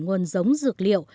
nguồn giống dược liệu